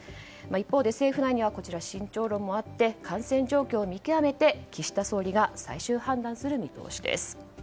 一方で、政府内には慎重論もあって感染状況を見極めて岸田総理が最終判断する見通しです。